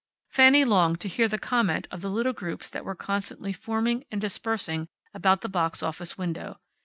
Fanny longed to hear the comment of the little groups that were constantly forming and dispersing about the box office window.